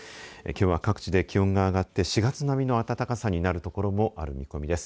きょうは各地で気温が上がって４月並みの暖かさになる所もある見込みです。